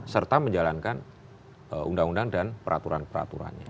serta menjalankan undang undang dan peraturan peraturannya